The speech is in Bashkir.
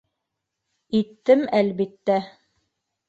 Иттем, әлбиттә.